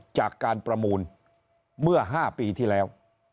จากการประมูลเมื่อ๕ปีที่แล้ว